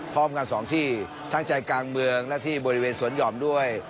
พร้อมกัน๒ที่ทั้งใจกลางเมืองและที่บริเวณสวนหย่อมด้วย